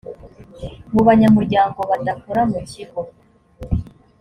mu banyamuryango badakora mu kigo